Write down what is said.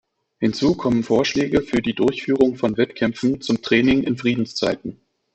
Hinzu kommen Vorschläge für die Durchführung von Wettkämpfen zum Training in Friedenszeiten.